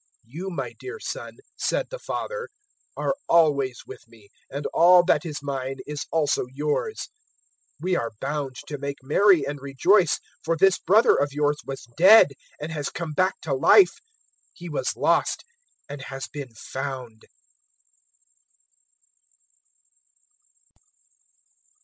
015:031 "`You my dear son,' said the father, `are always with me, and all that is mine is also yours. 015:032 We are bound to make merry and rejoice, for this brother of yours was dead and has come back to life, he was lost and has been found.'"